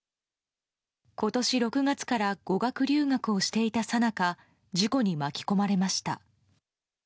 今年６月から語学留学をしていたさなか事故に巻き込まれました。